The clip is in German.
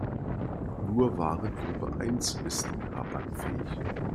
Nur Warengruppe eins ist rabattfähig.